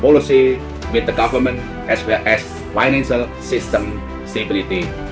bersama dengan pemerintah dan komite sistem stabilitas finansial